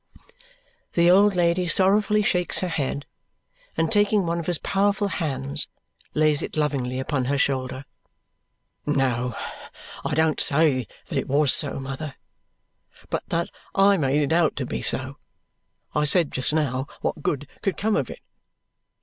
The old lady sorrowfully shakes her head, and taking one of his powerful hands, lays it lovingly upon her shoulder. "No, I don't say that it was so, mother, but that I made it out to be so. I said just now, what good could come of it?